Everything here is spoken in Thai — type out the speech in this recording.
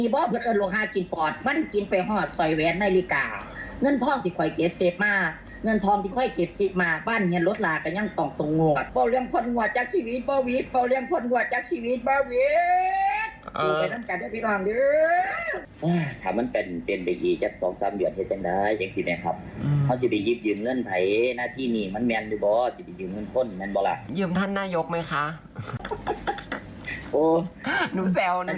บอกว่าชีวิตยืมเงินไฟล์หน้าที่นี่มันแม่งดูปะชีวิตยืมเงินป้นมันบร่าง